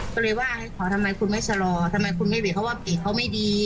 ก็เลยว่าให้ขอทำไมคุณไม่ชะลอทำไมคุณไม่เวทเพราะว่าเบรกเขาไม่ดี